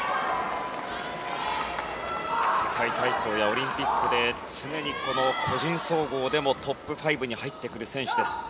世界体操やオリンピックで常に個人総合でもトップ５に入ってくる選手です